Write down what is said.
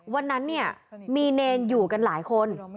วันนั้นเนี่ยมีเนรอยู่กันหลายคน